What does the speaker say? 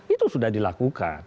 itu sudah dilakukan